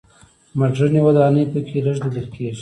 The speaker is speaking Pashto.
مډرنې ودانۍ په کې لږ لیدل کېږي.